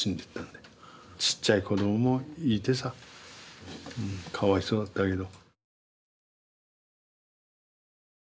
ちっちゃい子どもいてさかわいそうだったけど。